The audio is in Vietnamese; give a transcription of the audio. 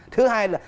thứ hai là